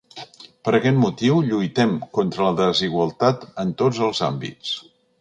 Per aquest motiu, “lluitem contra la desigualtat en tots els àmbits”.